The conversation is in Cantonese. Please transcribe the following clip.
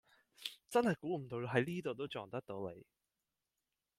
真係估唔到喺呢度都撞得到你